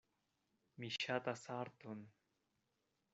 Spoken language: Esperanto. Mi ŝatas arton.